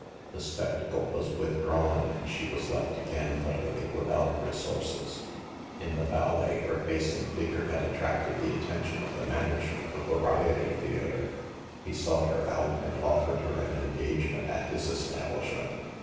The spectacle was withdrawn and she was left again utterly without resources. In the ballet her face and figure had at tracted the attention of the manager of a variety theater. He sought her out and offered her an engagement at his establish ment.